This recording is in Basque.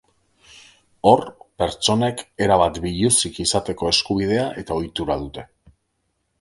Hor, pertsonek erabat biluzik izateko eskubidea eta ohitura dute.